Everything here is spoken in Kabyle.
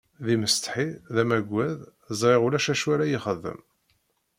D imsetḥi, d amaggad, ẓriɣ ulac acu ara yi-ixdem.